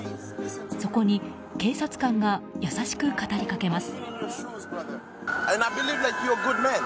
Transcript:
そこに、警察官が優しく語りかけます。